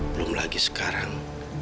belum lagi sekarang